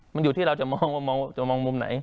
มันอยู่ที่เราจะมองมุมไหน